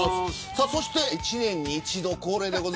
そして１年に一度恒例です。